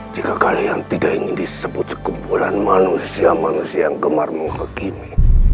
jika kalian tidak ingin disebut sekumpulan manusia manusia yang gemar menghakimi